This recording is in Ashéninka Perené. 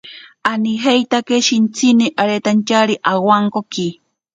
Anijeitake shintsini aretantyari awankoki.